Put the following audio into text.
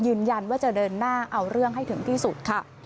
ยืนยันว่าจะเดินหน้าเอาเรื่องให้ถึงที่สุดค่ะ